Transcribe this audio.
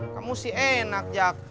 kamu sih enak jack